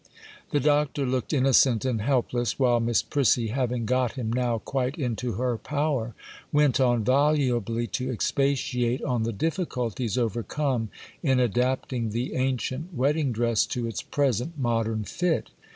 The Doctor looked innocent and helpless, while Miss Prissy, having got him now quite into her power, went on volubly to expatiate on the difficulties overcome in adapting the ancient wedding dress to its present modern fit.